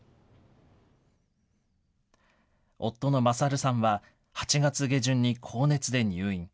夫の勝さんは、８月下旬に高熱で入院。